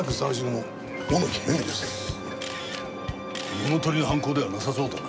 物盗りの犯行ではなさそうだな。